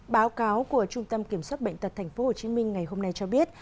báo cáo của trung tâm kiểm soát bệnh tật tp hcm ngày hôm nay cho biết